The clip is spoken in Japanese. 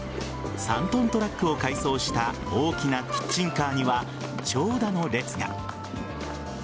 ３ｔトラックを改装した大きなキッチンカーには長蛇の列が。